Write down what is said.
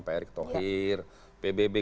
pak erik tohir pbb